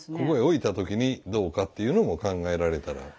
ここへ置いたときにどうかっていうのも考えられたら。